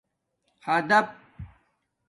ادپ